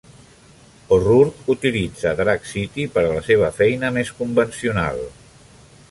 O'Rourke utilitza Drag City per a la seva feina més convencional.